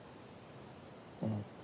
うん。